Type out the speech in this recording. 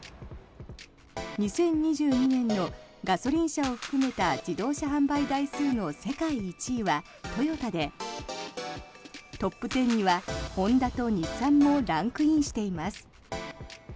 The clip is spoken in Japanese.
２０２２年のガソリン車を含めた自動車販売台数の世界１位はトヨタでトップ１０にはホンダと日産もランクインしています。